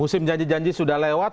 musim janji janji sudah lewat